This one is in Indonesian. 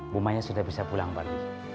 bu maya sudah bisa pulang pergi